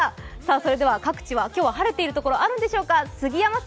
それでは各地は今日は晴れているところあるんでしょうか。